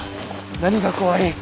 何が怖い？